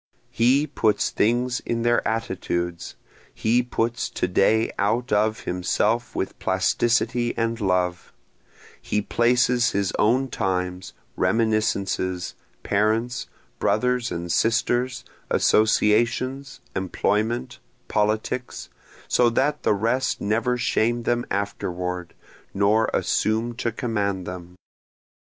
He puts things in their attitudes, He puts to day out of himself with plasticity and love, He places his own times, reminiscences, parents, brothers and sisters, associations, employment, politics, so that the rest never shame them afterward, nor assume to command them.